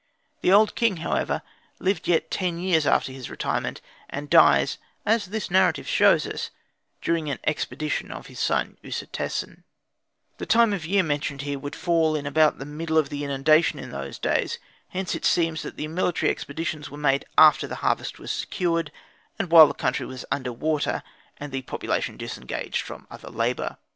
The old king, however, lived yet ten years after his retirement, and died (as this narrative shows us) during an expedition of his son Usertesen. The time of year mentioned here would fall in about the middle of the inundation in those days. Hence it seems that the military expeditions were made after the harvest was secured, and while the country was under water and the population disengaged from other labour.